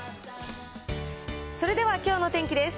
それでは、きょうの天気です。